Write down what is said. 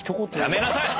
やめなさい！